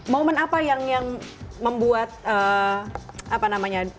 momen apa yang membuat apa namanya